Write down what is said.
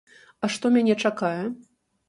А што мяне чакае?